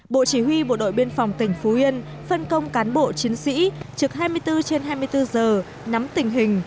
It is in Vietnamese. bộ chỉ huy bộ đội biên phòng tỉnh phú yên phân công cán bộ chiến sĩ trực hai mươi bốn trên hai mươi bốn giờ nắm tình hình